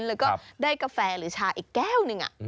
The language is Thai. แล้วก็ได้กาแฟหรือชาอีกแก้วหนึ่ง